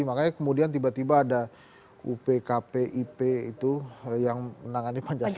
makanya kemudian tiba tiba ada upkpip itu yang menangani pancasila